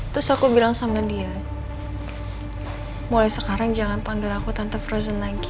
terus aku bilang sama dia mulai sekarang jangan panggil aku tante frozen lagi